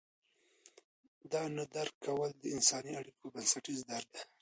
دا نه درک کول د انساني اړیکو بنسټیز درد دی.